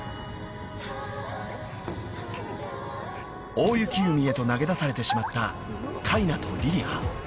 ［大雪海へと投げ出されてしまったカイナとリリハ］